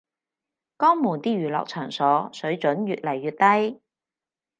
江門啲娛樂場所水準越來越低